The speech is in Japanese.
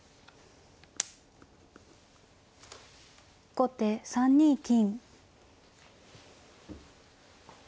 後手３二金。